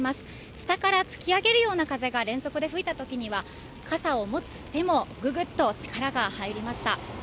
下から突き上げるような風が連続で吹いたときには傘を持つ手もぐぐっと力が入りました。